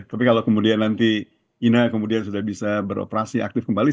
tapi kalau kemudian nanti ina kemudian sudah bisa beroperasi aktif kembali